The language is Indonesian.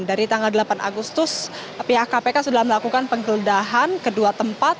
dari tanggal delapan agustus pihak kpk sudah melakukan penggeledahan kedua tempat